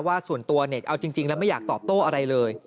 ว่าส่วนตัวเน็ตเอาจริงแล้วไม่อยากตอบโต้อะไรเลย